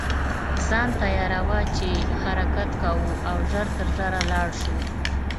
ځان تیاروه چې حرکت کوو او ژر تر ژره لاړ شو.